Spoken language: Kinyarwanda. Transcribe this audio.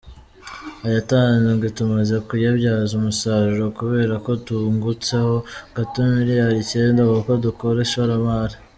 Ayatanzwe tumaze kuyabyaza umusaruro kubera ko twungutseho gato miliyari icyenda kuko dukora ishoramari.